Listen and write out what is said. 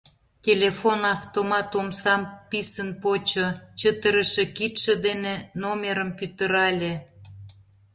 Телефон-автомат омсам писын почо, чытырыше кидше дене номерым пӱтырале.